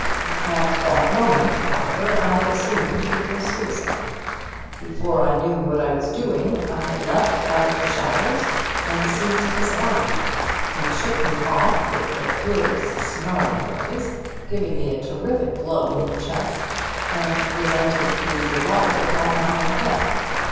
"At that moment, however, I assumed it was suicide. Before I knew what I was doing I had leapt out of the shadows and seized his arm. He shook me off with a furious snarling noise, giving me a terrific blow in the chest, and presented the revolver at my head.